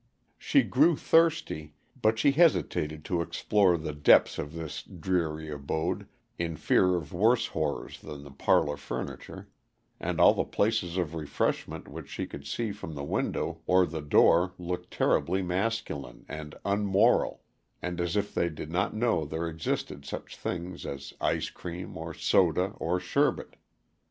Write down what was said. She grew thirsty, but she hesitated to explore the depths of this dreary abode, in fear of worse horrors than the parlor furniture, and all the places of refreshment which she could see from the window or the door looked terribly masculine and unmoral, and as if they did not know there existed such things as ice cream, or soda, or sherbet.